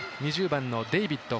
２０番のデイビッド。